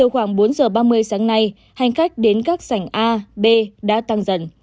khoảng bốn giờ ba mươi sáng nay hành khách đến các sảnh a b đã tăng dần